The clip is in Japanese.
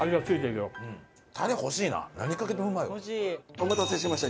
お待たせしました。